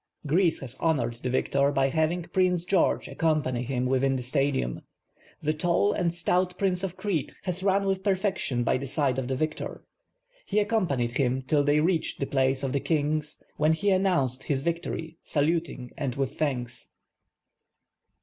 Greece has honored the victor by having Prince (Jeorgc accompany liim within the Stadium. The tall and stout Prince of Crete has run with perfection by the side of the victor, lie accompanied him till ihey reached the place of the Kings, when he announced his victory, saluting and with thanks.